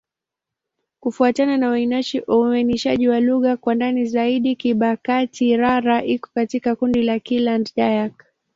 Kufuatana na uainishaji wa lugha kwa ndani zaidi, Kibakati'-Rara iko katika kundi la Kiland-Dayak.